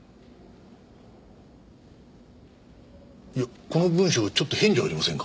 いやこの文章ちょっと変じゃありませんか？